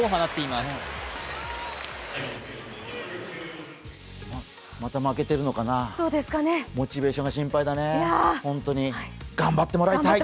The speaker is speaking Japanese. また負けてるのかなモチベーションが心配だね、ホントに。頑張ってもらいたい！